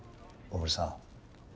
大森さん。